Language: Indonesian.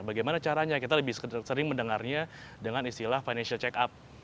bagaimana caranya kita lebih sering mendengarnya dengan istilah financial check up